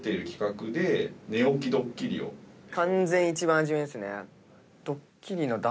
完全一番初めですね。